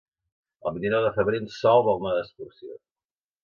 El vint-i-nou de febrer en Sol vol anar d'excursió.